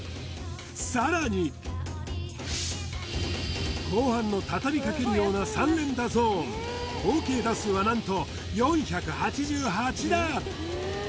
さらに後半の畳みかけるような３連打ゾーン合計打数は何と４８８打